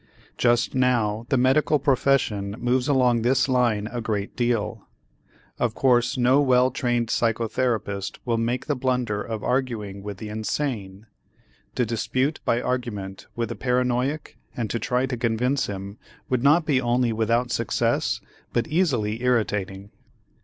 Just now the medical profession moves along this line a great deal. Of course no well trained psychotherapist will make the blunder of arguing with the insane. To dispute by argument with the paranoiac and to try to convince him would not be only without success, but easily irritating.